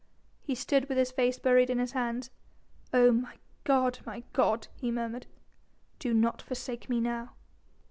He stood with his face buried in his hands. "Oh God! my God!" he murmured, "do not forsake me now!"